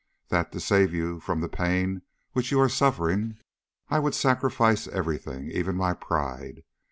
That to save you from the pain which you are suffering, I would sacrifice every thing, even my pride.